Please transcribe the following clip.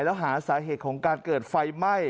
แล้วหาสาเหตุของการเกิดไฟไหม้